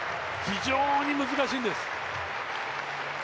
非常に難しいんです。